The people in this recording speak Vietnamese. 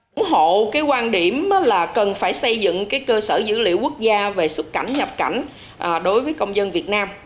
đồng chí trang ủng hộ quan điểm là cần phải xây dựng cơ sở dữ liệu quốc gia về xuất cảnh nhập cảnh đối với công dân việt nam